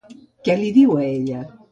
Què li diu a ella?